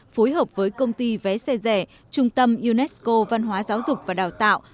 phối hợp với công ty vé xe rẻ trung tâm unesco văn hóa giáo dục và đào tạo